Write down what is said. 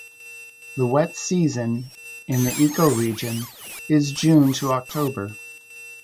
The wet season in the ecoregion is June to October.